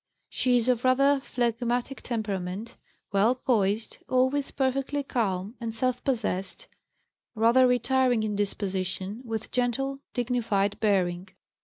She is of rather phlegmatic temperament, well poised, always perfectly calm and self possessed, rather retiring in disposition, with gentle, dignified bearing.